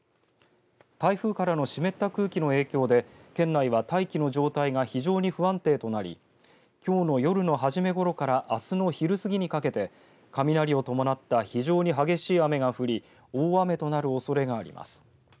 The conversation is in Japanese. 台風からの湿った空気の影響で県内は大気の状態が非常に不安定となりきょうの夜の初めごろからあすの昼過ぎにかけて雷を伴った非常に激しい雨が降り大雨となるおそれがあります。